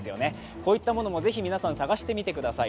こういったものも、ぜひ皆さん、探してみてください。